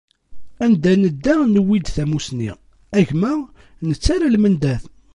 Anda nedda newwi-d tamusni, a gma nettara lmendad.